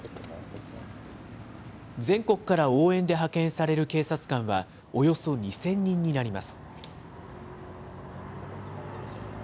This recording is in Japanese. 全国から応援で派遣される警察官は、およそ２０００人になります。